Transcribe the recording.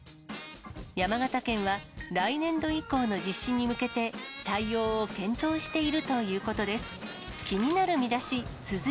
山形県は、来年度以降の実施に向けて、対応を検討しているということです。